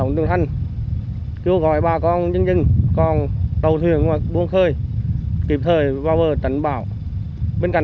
cả người dân trên địa bàng bộ mận thống của mình có tàu thuyền buông khơi thì kiểm thuê vào để đảm bảo an toàn